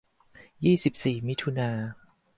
ยี่สิบสี่มิถุนา